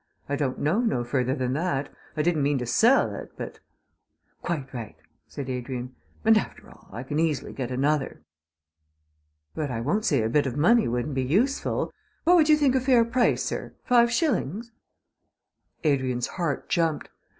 I don't know no further than that. I didn't mean to sell it, but " "Quite right," said Adrian, "and, after all, I can easily get another." "But I won't say a bit of money wouldn't be useful. What would you think a fair price, sir? Five shillings?" Adrian's heart jumped.